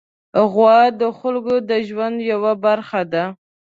غوا د خلکو د ژوند یوه برخه ده.